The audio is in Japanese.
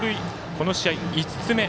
この試合５つ目。